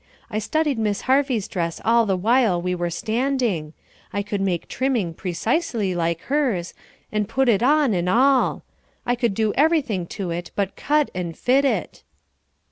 I studied Miss Harvey's dress all the while we were standing. I could make trimming precisely like hers, and put it on and all. I could do every thing to it but cut and fit it."